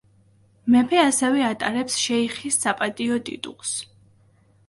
მეფე ასევე ატარებს შეიხის საპატიო ტიტულს.